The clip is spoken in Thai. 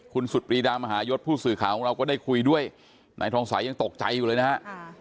คุณสุดปรีดามหายศผู้สื่อข่าวของเราก็ได้คุยด้วยนายทองสายยังตกใจอยู่เลยนะฮะ